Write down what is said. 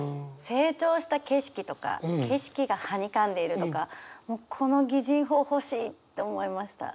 成長した景色とか景色がはにかんでいるとかこの擬人法欲しいと思いました。